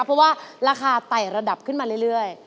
เพราะว่าราคาไต่ระดับขึ้นมาเรื่อย